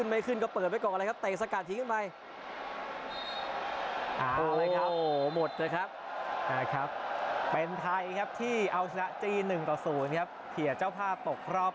แล้วเปิดลูกนี่มงไปเข้ามือ